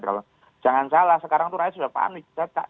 kalau jangan salah sekarang itu rakyat sudah panik